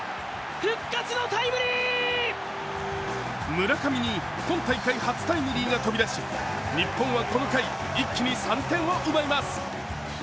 村上に今大会初タイムリーが飛び出し、日本はこの回、一気に３点を奪います。